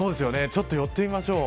ちょっと寄ってみましょう。